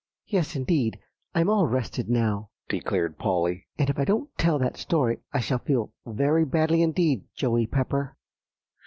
"Yes, indeed; I'm all rested now," declared Polly; "and if I don't tell that story I shall feel very badly indeed, Joey Pepper."